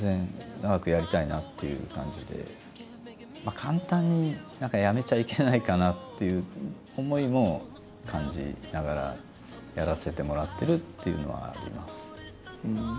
簡単にやめちゃいけないかなっていう思いも感じながらやらせてもらってるっていうのはあります。